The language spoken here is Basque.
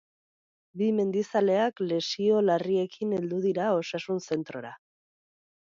Bi mendizaleak lesio larriekin heldu dira osasun zentrora.